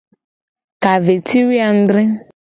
Ka ve ci wo adre.